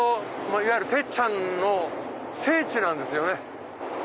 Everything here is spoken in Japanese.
いわゆる鉄ちゃんの聖地なんですよね。